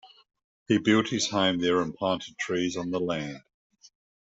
He built his home there and planted trees on the land.